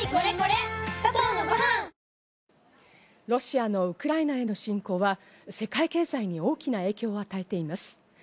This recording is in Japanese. ロシアのウクライナへの侵攻は、世界経済に大きな影響を与えています。